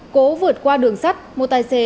cố vượt qua đường sắt một tài xế xe tải bị tẩu